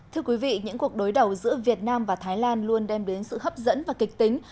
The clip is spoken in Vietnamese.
thưa quý vị những cuộc đối đầu giữa việt nam và thái lan luôn đem đến sự hấp dẫn và kịch tính